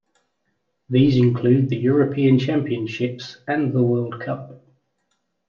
These include the European Championships and the World Cup.